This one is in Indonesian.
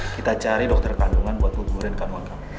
kita cari dokter kandungan buat gugurin kandungan kamu